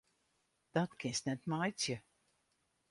Dat kinst net meitsje!